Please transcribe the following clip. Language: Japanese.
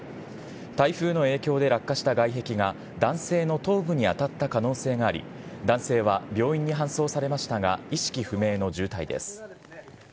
台風の影響で落下した外壁が、男性の頭部に当たった可能性があり、男性は病院に搬送されましたが、意識不明の重体です。